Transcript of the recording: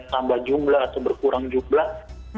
tambah jumlah atau berkurang jumlah